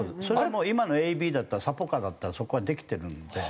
それはもう今のＡＢだったらサポカーだったらそこはできてるので。